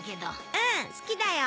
うん好きだよ！